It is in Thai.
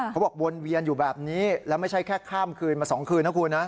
วนเวียนอยู่แบบนี้แล้วไม่ใช่แค่ข้ามคืนมา๒คืนนะคุณนะ